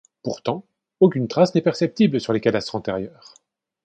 Pourtant, aucune trace n’est perceptible sur les cadastres antérieurs.